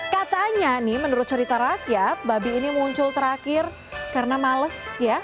katanya nih menurut cerita rakyat babi ini muncul terakhir karena males ya